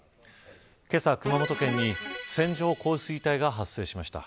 けさ、熊本県に線状降水帯が発生しました。